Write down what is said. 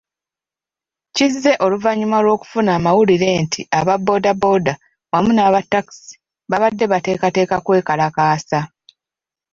Kize oluvannyuma lw'okufuna amawulire nti aba boda boda wamu n'aba takisi babadde bateekateeka kwekalakaasa.